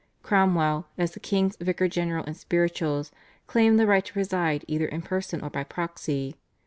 Cromwell, as the king's vicar general in spirituals, claimed the right to preside either in person or by proxy.